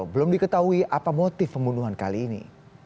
belum diketahui apa motif pembunuhan kali ini